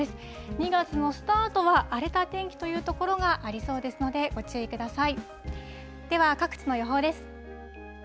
２月のスタートは、荒れた天気という所がありそうですので、ご注意ください。